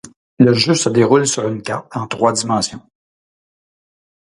Le jeu se déroule sur une carte en trois dimensions.